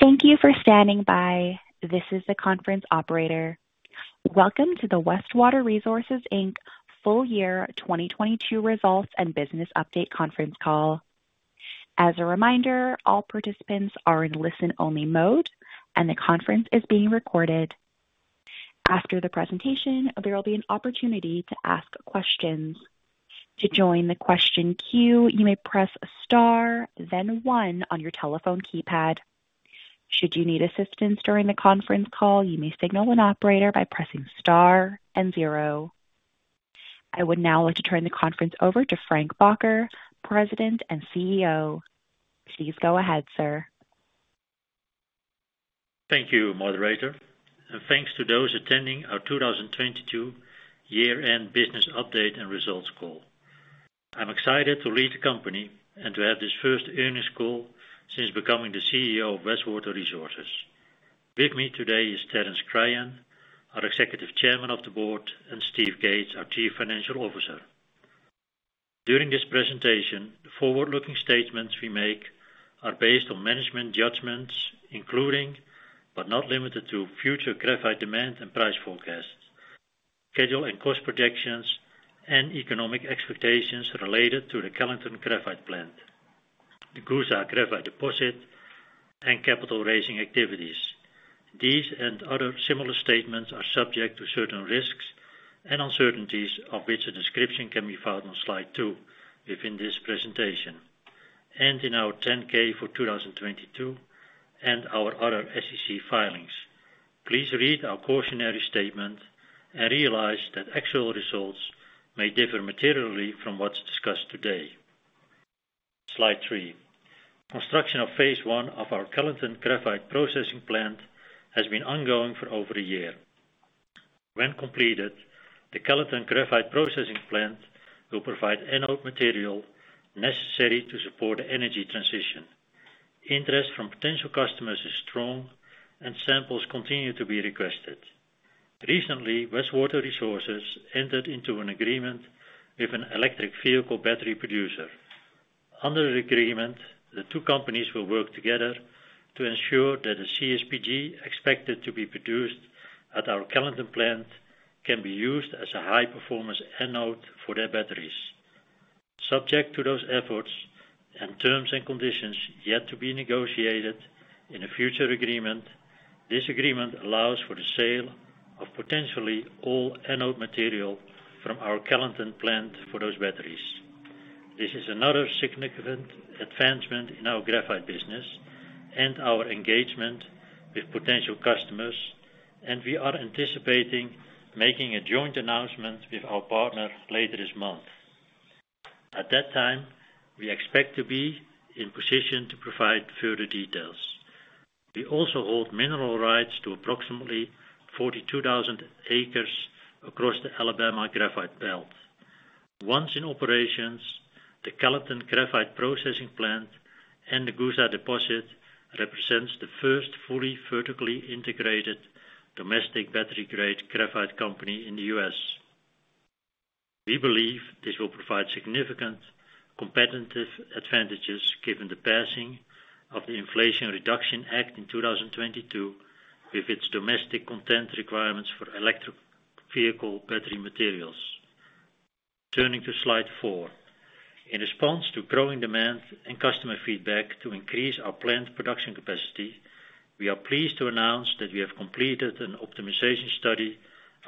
Thank you for standing by. This is the conference operator. Welcome to the Westwater Resources, Inc. Full Year 2022 Results and Business Update conference call. As a reminder, all participants are in listen-only mode, and the conference is being recorded. After the presentation, there will be an opportunity to ask questions. To join the question queue, you may press star then one on your telephone keypad. Should you need assistance during the conference call, you may signal an operator by pressing star and zero. I would now like to turn the conference over to Frank Bakker, President and CEO. Please go ahead, sir. Thank you, moderator. Thanks to those attending our 2022 year-end business update and results call. I'm excited to lead the company and to have this first earnings call since becoming the CEO of Westwater Resources. With me today is Terence Cryan, our Executive Chairman of the Board, Steve Cates, our Chief Financial Officer. During this presentation, the forward-looking statements we make are based on management judgments, including, but not limited to, future graphite demand and price forecasts, schedule and cost projections, and economic expectations related to the Kellyton Graphite Plant, the Coosa graphite deposit, and capital raising activities. These and other similar statements are subject to certain risks and uncertainties, of which a description can be found on Slide 2 within this presentation and in our 10-K for 2022 and our other SEC filings. Please read our cautionary statement and realize that actual results may differ materially from what's discussed today. Slide 3. Construction of phase I of our Kellyton Graphite Processing Plant has been ongoing for over a year. When completed, the Kellyton Graphite Processing Plant will provide anode material necessary to support the energy transition. Interest from potential customers is strong and samples continue to be requested. Recently, Westwater Resources entered into an agreement with an electric vehicle battery producer. Under the agreement, the two companies will work together to ensure that the CSPG expected to be produced at our Kellyton plant can be used as a high-performance anode for their batteries. Subject to those efforts and terms and conditions yet to be negotiated in a future agreement, this agreement allows for the sale of potentially all anode material from our Kellyton Plant for those batteries. This is another significant advancement in our graphite business and our engagement with potential customers, and we are anticipating making a joint announcement with our partner later this month. At that time, we expect to be in position to provide further details. We also hold mineral rights to approximately 42,000 acres across the Alabama Graphite Belt. Once in operations, the Kellyton Graphite Processing Plant and the Coosa Graphite deposit represents the first fully vertically integrated domestic battery-grade graphite company in the U.S. We believe this will provide significant competitive advantages given the passing of the Inflation Reduction Act in 2022, with its domestic content requirements for electric vehicle battery materials. Turning to Slide 4. In response to growing demand and customer feedback to increase our plant production capacity, we are pleased to announce that we have completed an optimization study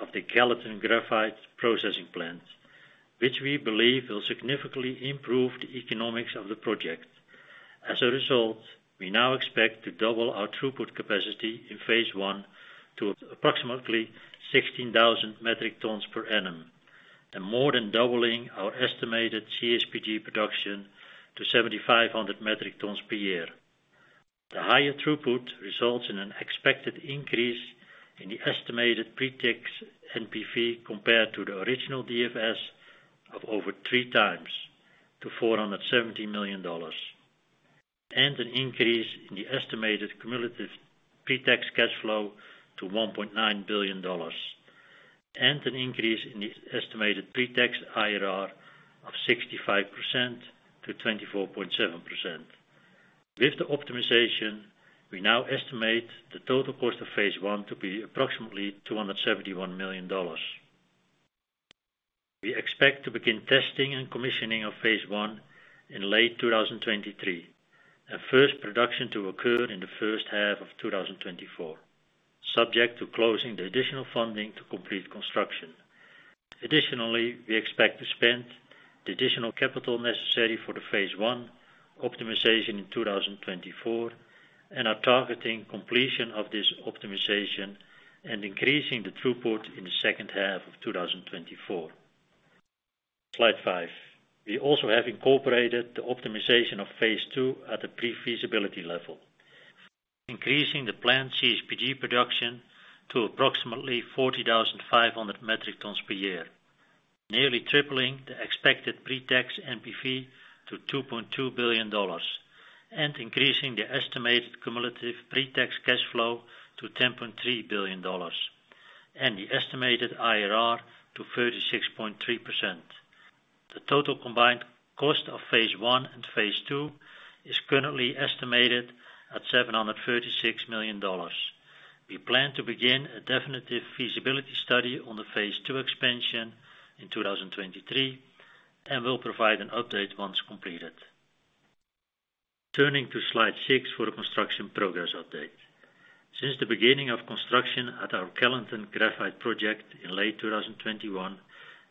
of the Kellyton Graphite Processing Plant, which we believe will significantly improve the economics of the project. As a result, we now expect to double our throughput capacity in phase I to approximately 16,000 metric tons per annum, and more than doubling our estimated CSPG production to 7,500 metric tons per year. The higher throughput results in an expected increase in the estimated pre-tax NPV compared to the original DFS of over 3x to $470 million, and an increase in the estimated cumulative pre-tax cash flow to $1.9 billion, and an increase in the estimated pre-tax IRR of 65% to 24.7%. With the optimization, we now estimate the total cost of phase I to be approximately $271 million. We expect to begin testing and commissioning of phase I in late 2023, and first production to occur in the first half of 2024, subject to closing the additional funding to complete construction. We expect to spend the additional capital necessary for the phase I optimization in 2024 and are targeting completion of this optimization and increasing the throughput in the second half of 2024. Slide 5. We also have incorporated the optimization of phase II at a pre-feasibility level, increasing the planned CSPG production to approximately 40,500 metric tons per year, nearly tripling the expected pre-tax NPV to $2.2 billion and increasing the estimated cumulative pre-tax cash flow to $10.3 billion and the estimated IRR to 36.3%. The total combined cost of phase I and phase II is currently estimated at $736 million. We plan to begin a definitive feasibility study on the phase II expansion in 2023, we'll provide an update once completed. Turning to Slide 6 for the construction progress update. Since the beginning of construction at our Kellyton Graphite project in late 2021,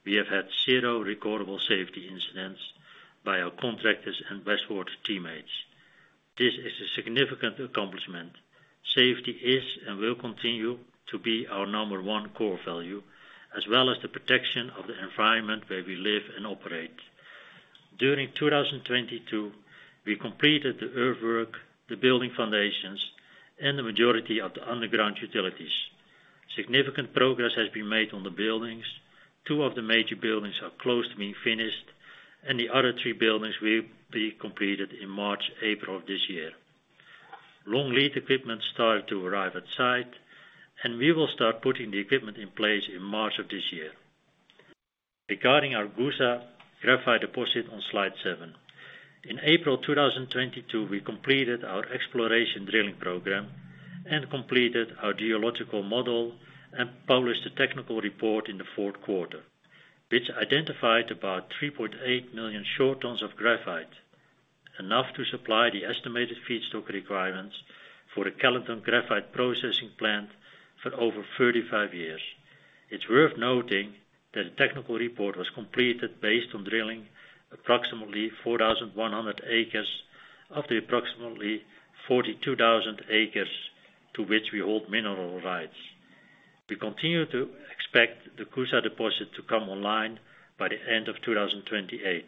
we have had zero recordable safety incidents by our contractors and Westwater teammates. This is a significant accomplishment. Safety is, and will continue to be our number one core value, as well as the protection of the environment where we live and operate. During 2022, we completed the earthwork, the building foundations, and the majority of the underground utilities. Significant progress has been made on the buildings. Two of the major buildings are close to being finished, and the other three buildings will be completed in March, April of this year. Long lead equipment started to arrive at site. We will start putting the equipment in place in March of this year. Regarding our Coosa Graphite deposit on Slide 7. In April 2022, we completed our exploration drilling program and completed our geological model and published a technical report in the fourth quarter, which identified about 3.8 million short tons of graphite, enough to supply the estimated feedstock requirements for a Kellyton Graphite Processing Plant for over 35 years. It's worth noting that the technical report was completed based on drilling approximately 4,100 acres of the approximately 42,000 acres to which we hold mineral rights. We continue to expect the Coosa Graphite deposit to come online by the end of 2028,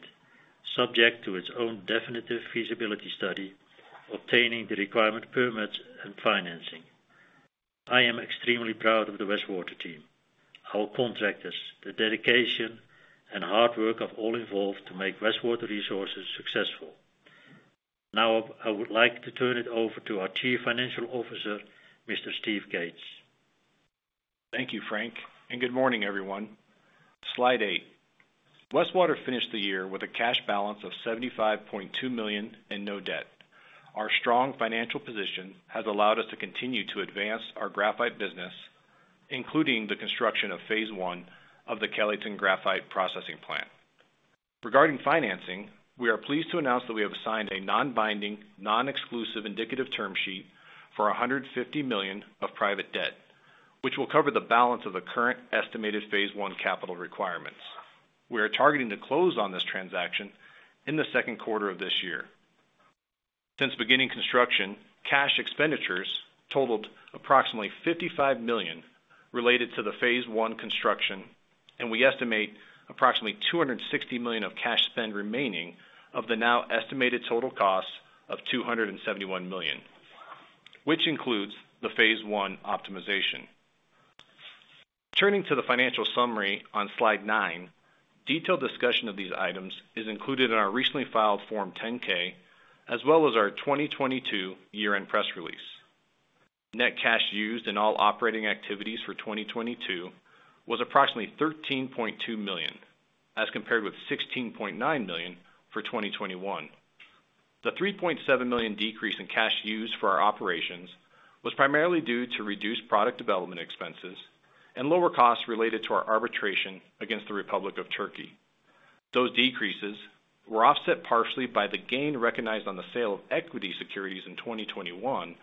subject to its own definitive feasibility study, obtaining the requirement permits and financing. I am extremely proud of the Westwater team, our contractors, the dedication and hard work of all involved to make Westwater Resources successful. Now, I would like to turn it over to our Chief Financial Officer, Mr. Steve Cates. Thank you, Frank, and good morning, everyone. Slide 8. Westwater finished the year with a cash balance of $75.2 million and no debt. Our strong financial position has allowed us to continue to advance our graphite business, including the construction of phase I of the Kellyton Graphite Processing Plant. Regarding financing, we are pleased to announce that we have signed a non-binding, non-exclusive indicative term sheet for $150 million of private debt, which will cover the balance of the current estimated phase I capital requirements. We are targeting to close on this transaction in the second quarter of this year. Since beginning construction, cash expenditures totaled approximately $55 million related to the phase I construction, and we estimate approximately $260 million of cash spend remaining of the now estimated total cost of $271 million, which includes the phase I optimization. Turning to the financial summary on Slide 9, detailed discussion of these items is included in our recently filed Form 10-K, as well as our 2022 year-end press release. Net cash used in all operating activities for 2022 was approximately $13.2 million, as compared with $16.9 million for 2021. The $3.7 million decrease in cash used for our operations was primarily due to reduced product development expenses and lower costs related to our arbitration against the Republic of Turkey. Those decreases were offset partially by the gain recognized on the sale of equity securities in 2021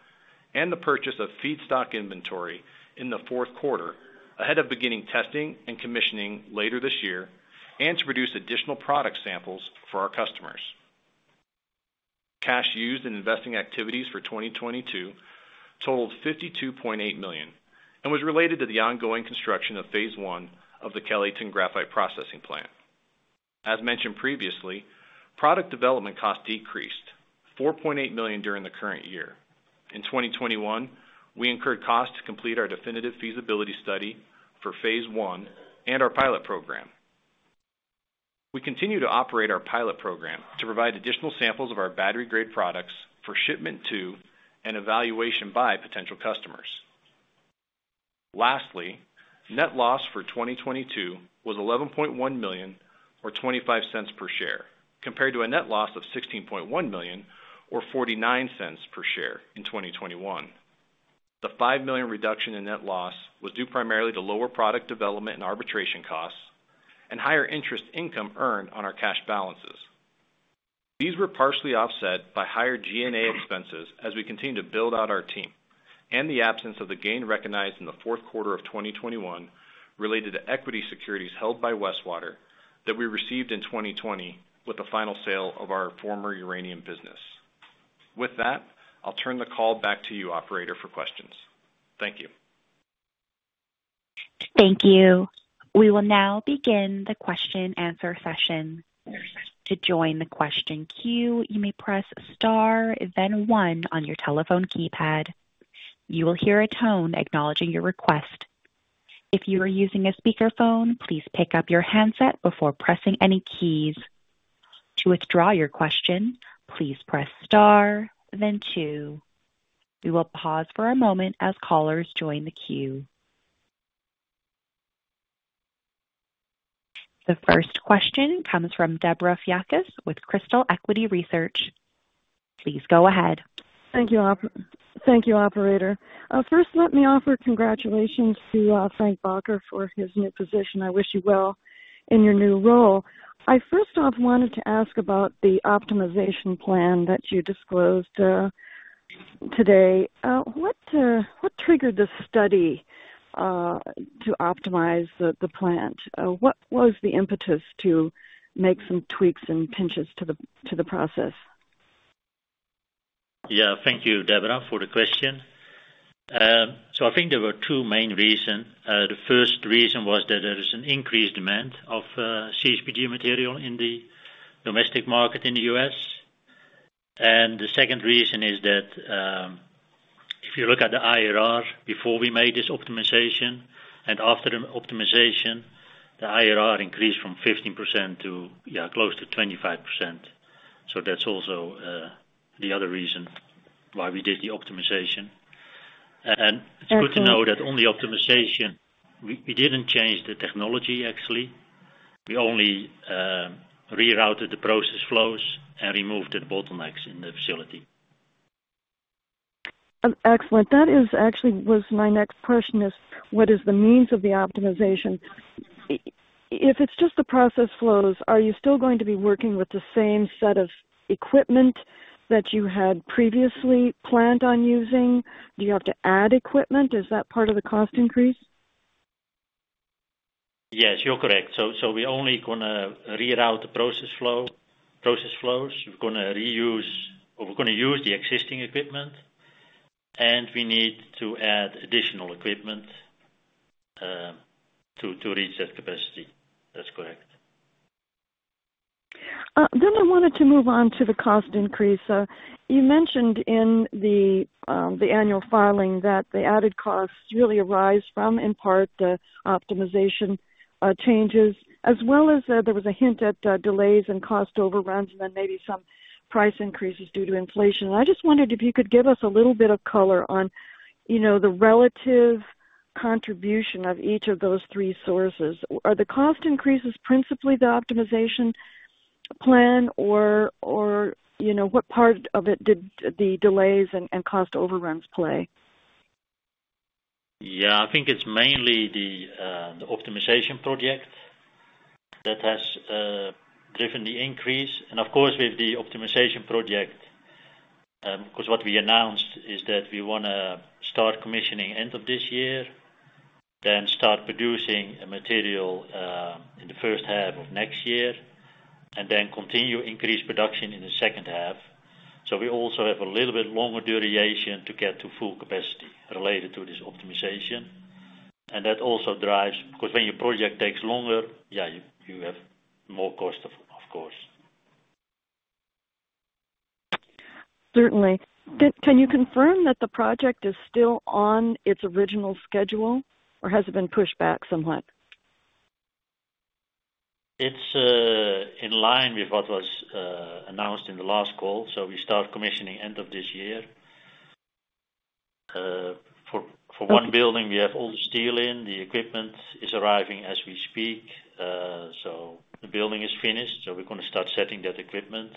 and the purchase of feedstock inventory in the fourth quarter, ahead of beginning testing and commissioning later this year, and to produce additional product samples for our customers. Cash used in investing activities for 2022 totaled $52.8 million and was related to the ongoing construction of phase I of the Kellyton Graphite Processing Plant. As mentioned previously, product development cost decreased $4.8 million during the current year. In 2021, we incurred costs to complete our definitive feasibility study for phase I and our pilot program. We continue to operate our pilot program to provide additional samples of our battery-grade products for shipment to and evaluation by potential customers. Lastly, net loss for 2022 was $11.1 million or $0.25 per share, compared to a net loss of $16.1 million or $0.49 per share in 2021. The $5 million reduction in net loss was due primarily to lower product development and arbitration costs and higher interest income earned on our cash balances. These were partially offset by higher G&A expenses as we continue to build out our team and the absence of the gain recognized in the fourth quarter of 2021 related to equity securities held by Westwater that we received in 2020 with the final sale of our former uranium business. With that, I'll turn the call back to you, operator, for questions. Thank you. Thank you. We will now begin the question and answer session. To join the question queue, you may press star then one on your telephone keypad. You will hear a tone acknowledging your request. If you are using a speaker phone, please pick up your handset before pressing any keys. To withdraw your question, please press star then two. We will pause for a moment as callers join the queue. The first question comes from Debra Fiakas with Crystal Equity Research. Please go ahead. Thank you, operator. First, let me offer congratulations to Frank Bakker for his new position. I wish you well in your new role. I first off wanted to ask about the optimization plan that you disclosed today. What triggered the study to optimize the plant? What was the impetus to make some tweaks and pinches to the process? Yeah. Thank you, Debra, for the question. I think there were two main reasons. The first reason was that there is an increased demand of CSPG material in the domestic market in the U.S. The second reason is that, if you look at the IRR before we made this optimization and after the optimization, the IRR increased from 15% to close to 25%. That's also the other reason why we did the optimization. It's good to know that on the optimization, we didn't change the technology actually. We only rerouted the process flows and removed the bottlenecks in the facility. Excellent. That is actually was my next question is what is the means of the optimization? If it's just the process flows, are you still going to be working with the same set of equipment that you had previously planned on using? Do you have to add equipment? Is that part of the cost increase? Yes, you're correct. We only gonna reroute the process flows. We're gonna reuse or we're gonna use the existing equipment, and we need to add additional equipment to reach that capacity. That's correct. I wanted to move on to the cost increase. You mentioned in the annual filing that the added costs really arise from, in part, the optimization changes, as well as, there was a hint at delays and cost overruns and then maybe some price increases due to inflation. I just wondered if you could give us a little bit of color on, you know, the relative contribution of each of those three sources. Are the cost increases principally the optimization plan or, you know, what part of it did the delays and cost overruns play? Yeah. I think it's mainly the optimization project that has driven the increase. Of course, with the optimization project, 'cause what we announced is that we wanna start commissioning end of this year, then start producing material in the first half of next year, and then continue increased production in the second half. We also have a little bit longer duration to get to full capacity related to this optimization. That also drives-- 'cause when your project takes longer, yeah, you have more cost, of course. Certainly. Can you confirm that the project is still on its original schedule, or has it been pushed back somewhat? It's in line with what was announced in the last call. We start commissioning end of this year. For one building, we have all the steel in. The equipment is arriving as we speak. The building is finished, so we're gonna start setting that equipment,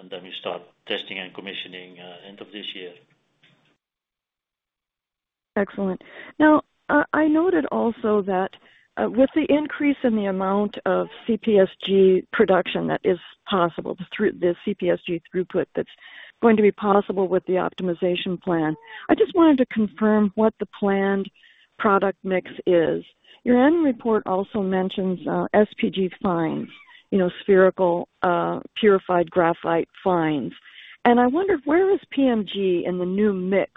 and then we start testing and commissioning end of this year. Excellent. Now, I noted also that, with the increase in the amount of CSPG production that is possible through the CSPG throughput that's going to be possible with the optimization plan, I just wanted to confirm what the planned product mix is. Your annual report also mentions, Graphite Fines, you know, spherical, purified graphite fines. I wondered, where is PMG in the new mix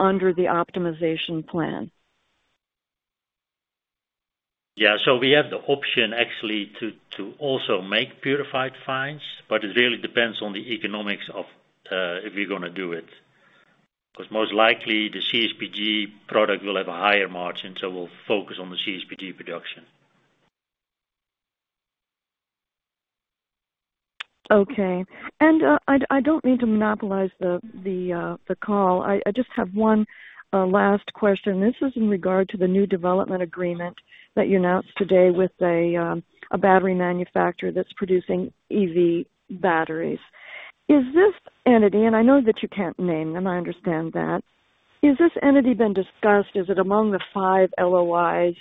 under the optimization plan? Yeah. We have the option actually to also make Graphite Fines, but it really depends on the economics of if we're gonna do it. Most likely, the CSPG product will have a higher margin, so we'll focus on the CSPG production. Okay. I don't mean to monopolize the call. I just have one last question. This is in regard to the new development agreement that you announced today with a battery manufacturer that's producing EV batteries. I know that you can't name them, I understand that. Is this entity been discussed? Is it among the five LOIs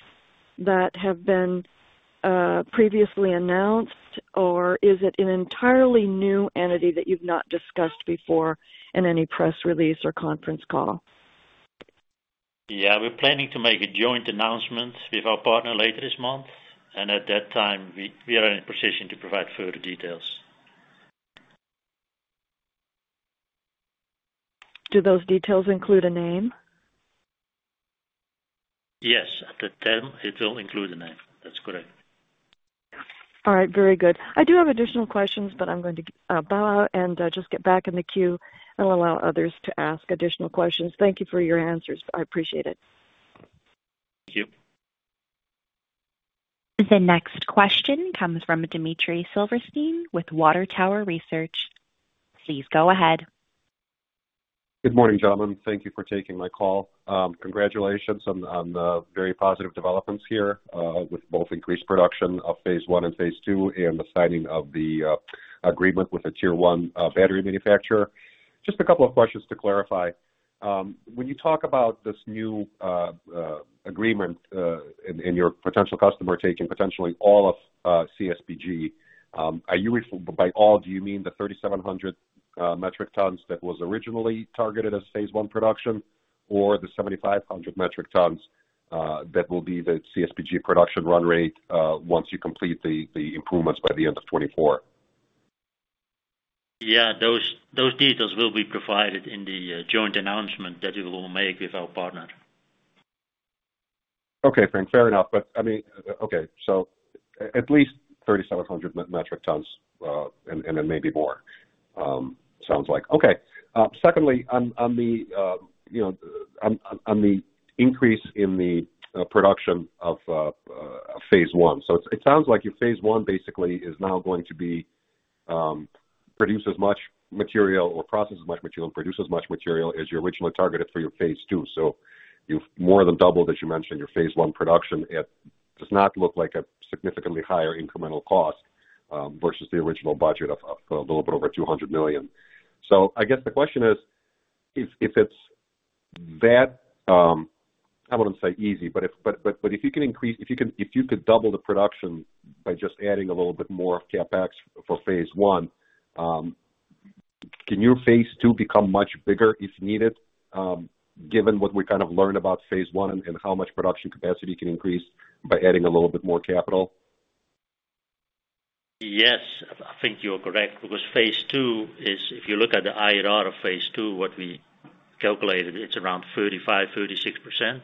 that have been previously announced, or is it an entirely new entity that you've not discussed before in any press release or conference call? Yeah. We're planning to make a joint announcement with our partner later this month, and at that time, we are in a position to provide further details. Do those details include a name? Yes. At that time, it will include a name. That's correct. All right. Very good. I do have additional questions, but I'm going to bow out and just get back in the queue and allow others to ask additional questions. Thank you for your answers. I appreciate it. Thank you. The next question comes from Dmitry Silversteyn with Water Tower Research. Please go ahead. Good morning, gentlemen. Thank you for taking my call. Congratulations on the very positive developments here with both increased production of phase I and phase II and the signing of the agreement with the tier one battery manufacturer. Just a couple of questions to clarify. When you talk about this new agreement and your potential customer taking potentially all of CSPG, are you By all, do you mean the 3,700 metric tons that was originally targeted as phase I production or the 7,500 metric tons that will be the CSPG production run rate once you complete the improvements by the end of 2024? Yeah. Those details will be provided in the joint announcement that we will make with our partner. Frank. Fair enough. I mean-- Okay. At least 3,700 metric tons, and then maybe more, sounds like. Okay. Secondly, on the, you know, on the increase in the production of phase I. It sounds like your phase I basically is now going to be produce as much material or process as much material and produce as much material as you originally targeted for your phase II. You've more than doubled, as you mentioned, your phase I production. It does not look like a significantly higher incremental cost versus the original budget of a little bit over $200 million. I guess the question is, if it's that, I wouldn't say easy, but if you can increase- If you can, if you could double the production by just adding a little bit more of CapEx for phase I, can your phase II become much bigger if needed, given what we kind of learned about phase I and how much production capacity can increase by adding a little bit more capital? Yes. I think you're correct because phase II is, if you look at the IRR of phase II, what we calculated, it's around 35%-36%.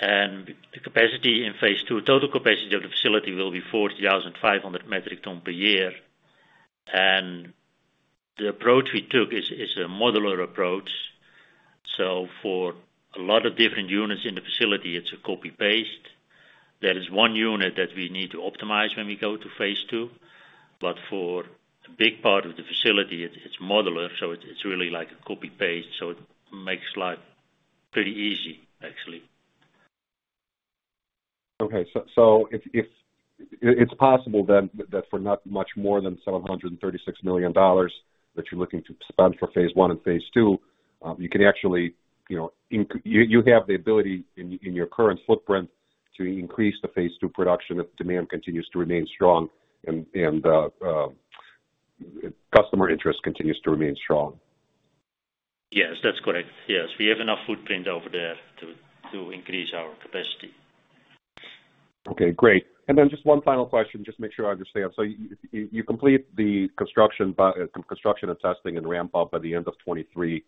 The capacity in phase II, total capacity of the facility will be 40,500 metric ton per year. The approach we took is a modular approach. For a lot of different units in the facility, it's a copy-paste. There is one unit that we need to optimize when we go to phase II, but for a big part of the facility, it's modular, so it's really like a copy-paste. It makes life pretty easy actually. Okay. If it's possible then that for not much more than $736 million that you're looking to spend for phase I and phase II, you can actually, you know, you have the ability in your current footprint to increase the phase II production if demand continues to remain strong and customer interest continues to remain strong. Yes, that's correct. Yes. We have enough footprint over there to increase our capacity. Okay, great. Just one final question, just to make sure I understand. You complete the construction by construction and testing and ramp up by the end of 2023.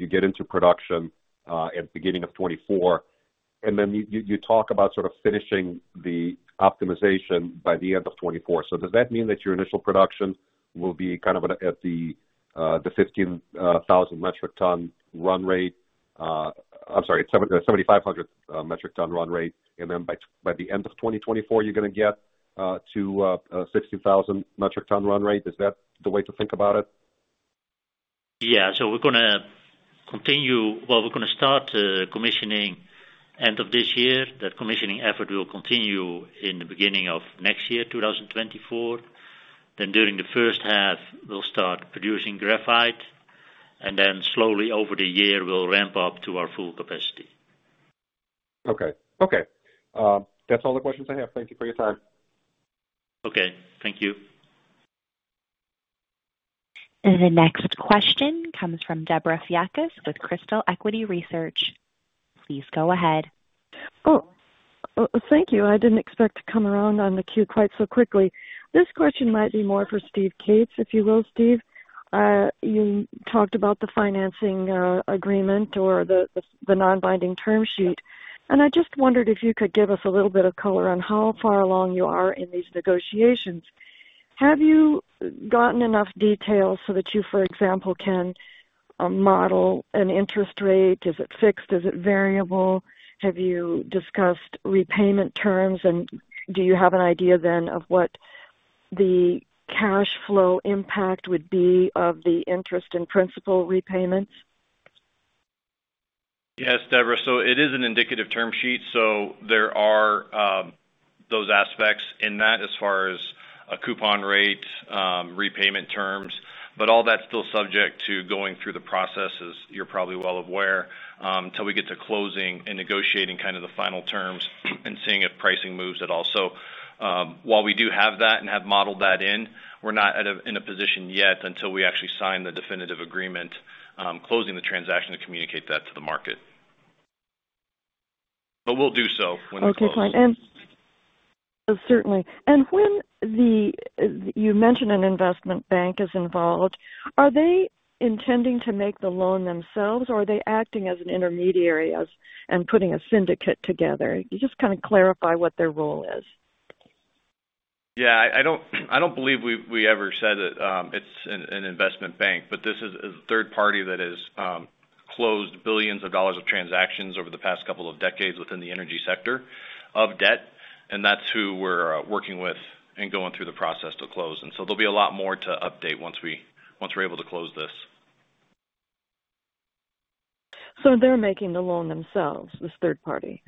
You get into production at beginning of 2024. You talk about sort of finishing the optimization by the end of 2024. Does that mean that your initial production will be kind of at the 15,000 metric ton run rate? I'm sorry, 7,500 metric ton run rate, and then by the end of 2024, you're going to get to 60,000 metric ton run rate. Is that the way to think about it? Yeah. Well, we're gonna start commissioning end of this year. That commissioning effort will continue in the beginning of next year, 2024. During the first half, we'll start producing graphite, and then slowly over the year we'll ramp up to our full capacity. Okay. Okay. That's all the questions I have. Thank you for your time. Okay. Thank you. The next question comes from Debra Fiakas with Crystal Equity Research. Please go ahead. Thank you. I didn't expect to come around on the queue quite so quickly. This question might be more for Steve Cates. If you will, Steve, you talked about the financing agreement or the non-binding term sheet. I just wondered if you could give us a little bit of color on how far along you are in these negotiations. Have you gotten enough details so that you, for example, can model an interest rate? Is it fixed? Is it variable? Have you discussed repayment terms? Do you have an idea then of what the cash flow impact would be of the interest and principal repayments? Yes, Debra. It is an indicative term sheet, there are those aspects in that as far as a coupon rate, repayment terms, but all that's still subject to going through the processes, you're probably well aware, till we get to closing and negotiating kind of the final terms and seeing if pricing moves at all. While we do have that and have modeled that in, we're not at a, in a position yet until we actually sign the definitive agreement, closing the transaction to communicate that to the market. We'll do so when it closes. Okay, fine. Certainly. When you mentioned an investment bank is involved, are they intending to make the loan themselves, or are they acting as an intermediary as, and putting a syndicate together? Can you just kinda clarify what their role is? Yeah, I don't believe we ever said that, it's an investment bank, but this is a third party that has closed billions of dollars of transactions over the past couple of decades within the energy sector of debt, and that's who we're working with and going through the process to close. There'll be a lot more to update once we're able to close this. They're making the loan themselves, this third party?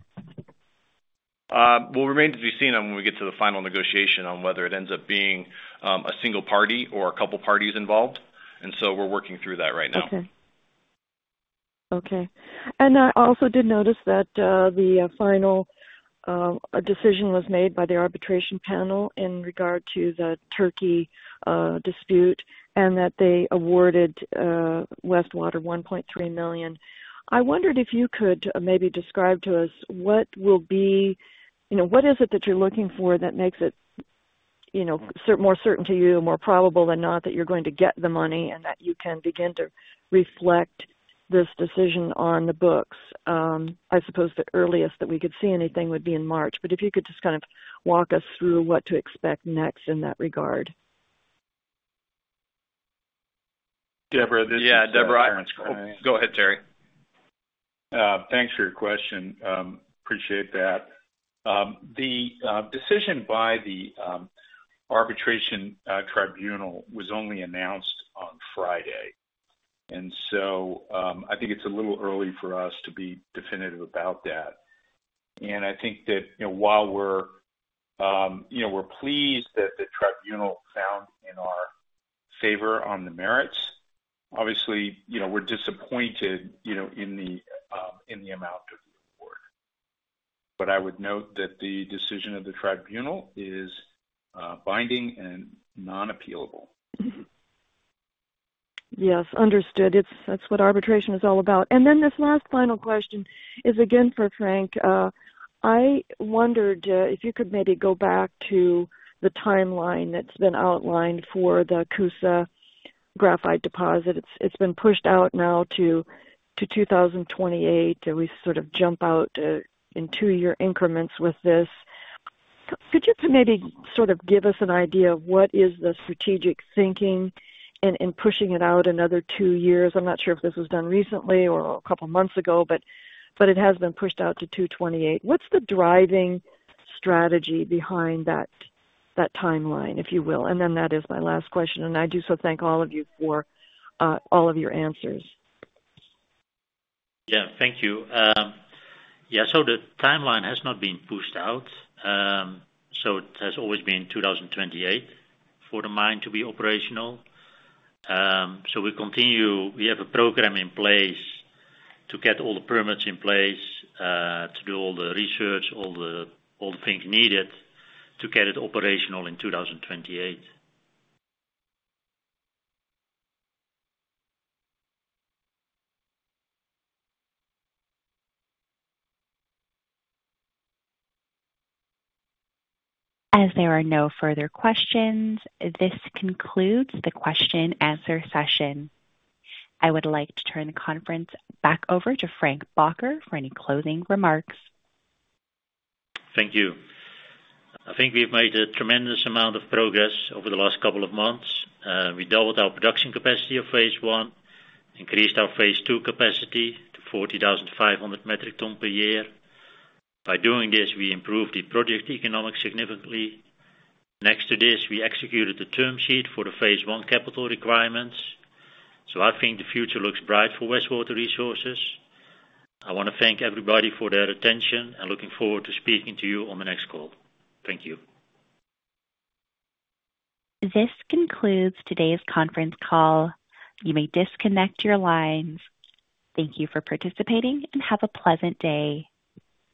Will remain to be seen when we get to the final negotiation on whether it ends up being a single party or a couple parties involved, and so we're working through that right now. Okay. Okay. I also did notice that the final decision was made by the arbitration panel in regard to the Turkey dispute and that they awarded Westwater $1.3 million. I wondered if you could maybe describe to us, you know, what is it that you're looking for that makes it, you know, more certain to you, more probable than not that you're going to get the money and that you can begin to reflect this decision on the books? I suppose the earliest that we could see anything would be in March. If you could just kind of walk us through what to expect next in that regard. Debra, this is, Terence Yeah. Debra, Go ahead, Terry. Thanks for your question. Appreciate that. The decision by the arbitration tribunal was only announced on Friday. I think it's a little early for us to be definitive about that. I think that, you know, while we're, you know, we're pleased that the tribunal found in our favor on the merits, obviously, you know, we're disappointed, you know, in the amount of the award. I would note that the decision of the tribunal is binding and non-appealable. Yes, understood. That's what arbitration is all about. This last final question is again for Frank. I wondered if you could maybe go back to the timeline that's been outlined for the Coosa graphite deposit. It's been pushed out now to 2028. We sort of jump out in two year increments with this. Could you maybe sort of give us an idea of what is the strategic thinking in pushing it out another two years? I'm not sure if this was done recently or a couple months ago, but it has been pushed out to 2028. What's the driving strategy behind that timeline, if you will? That is my last question, and I do so thank all of you for all of your answers. Thank you. The timeline has not been pushed out. It has always been 2028 for the mine to be operational. We continue. We have a program in place to get all the permits in place, to do all the research, all the things needed to get it operational in 2028. As there are no further questions, this concludes the question-answer session. I would like to turn the conference back over to Frank Bakker for any closing remarks. Thank you. I think we've made a tremendous amount of progress over the last couple of months. We doubled our production capacity of phase I, increased our phase II capacity to 40,500 metric ton per year. By doing this, we improved the project economics significantly. Next to this, we executed the term sheet for the phase I capital requirements. I think the future looks bright for Westwater Resources. I wanna thank everybody for their attention, and looking forward to speaking to you on the next call. Thank you. This concludes today's conference call. You may disconnect your lines. Thank you for participating, and have a pleasant day.